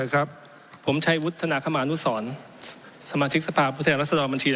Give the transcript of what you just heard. ครับผมชัยวุฒิธนาคมานุสรสมาทิกษภาพวุทยาลักษณะดอมบัญชี